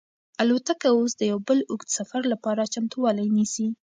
الوتکه اوس د یو بل اوږد سفر لپاره چمتووالی نیسي.